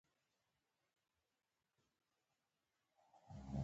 متلونه په نظم او نثر دواړو کې وي